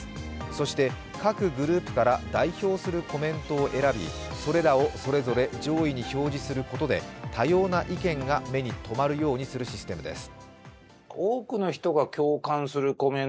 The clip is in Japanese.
そして、各グループから代表するコメントを選びそれらをそれぞれ上位に表示することで多様な意見が目にとまるようにするシステムです。